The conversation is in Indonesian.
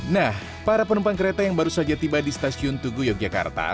nah para penumpang kereta yang baru saja tiba di stasiun tugu yogyakarta